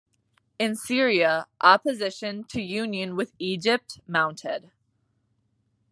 In Syria, opposition to union with Egypt mounted.